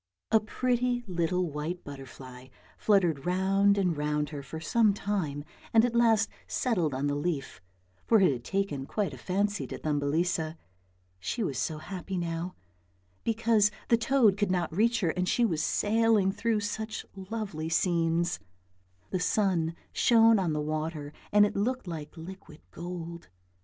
A pretty little white butterfly fluttered round and round her for some time and at last settled on the leaf, for it had taken quite a fancy to Thumbelisa: she was so happy now, because the toad could not reach her and she was sailing through such lovely scenes; the sun shone on the water and it looked like liquid gold.